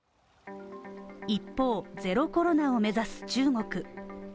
一方、ゼロコロナを目指す中国。